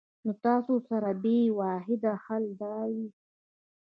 نو ستاسو سره به ئې واحد حل دا وي